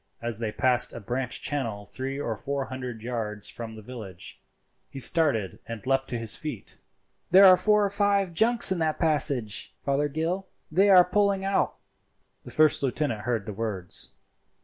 As they passed a branch channel three or four hundred yards from the village, he started and leapt to his feet. "There are four or five junks in that passage, Fothergill; they are poling out." The first lieutenant heard the words.